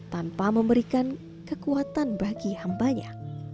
tanpa memberikan kekuatan bagi hambanya